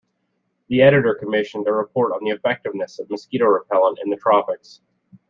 The Editor commissioned a report on the effectiveness of mosquito repellent in the tropics.